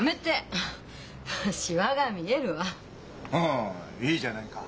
あいいじゃないか。